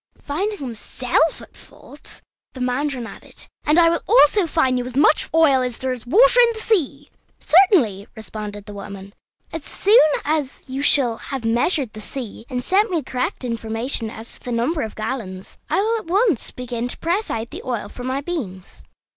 Finding himself at fault, the mandarin added, "And I also fine you as much oil as there is water in the sea." "Certainly," responded the woman; "as soon as you shall have measured the sea, and sent me correct information as to the number of gallons, I will at once begin to press out the oil from my beans."